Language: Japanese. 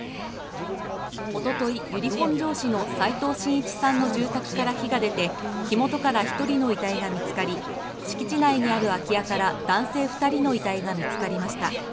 おととい、由利本荘市の齋藤真一さんの住宅から火が出て火元から１人の遺体が見つかり敷地内にある空き家から男性２人の遺体が見つかりました。